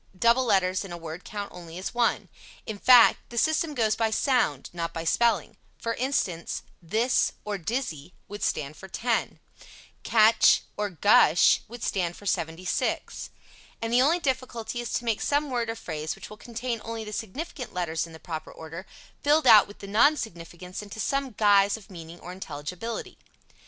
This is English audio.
Double letters in a word count only as one. In fact, the system goes by sound, not by spelling, For instance, "this" or "dizzy" would stand for ten; "catch" or "gush" would stand for 76, and the only difficulty is to make some word or phrase which will contain only the significant letters in the proper order, filled out with non significants into some guise of meaning or intelligibility.